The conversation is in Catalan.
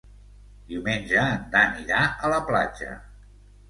Diumenge en Dan irà a la platja.